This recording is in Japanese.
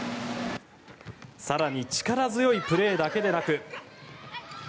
更に力強いプレーだけでなく。